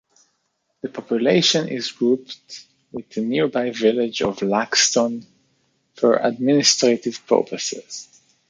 The population is grouped with the nearby village of Laxton for administrative purposes.